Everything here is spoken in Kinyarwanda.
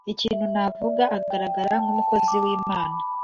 ikintu navuga agaragara nk’umukozi w’imana